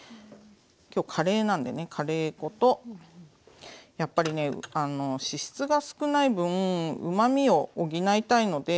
今日カレーなんでねカレー粉とやっぱりね脂質が少ない分うまみを補いたいので。